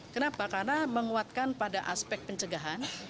kenapa karena menguatkan pada aspek pencegahan